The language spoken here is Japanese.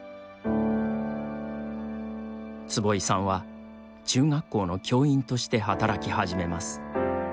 坪井さんは中学校の教員として働き始めます。